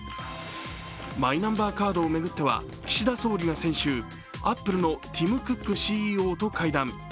マイナンバーカードを巡っては岸田総理が先週、アップルのティム・クックＣＥＯと会談。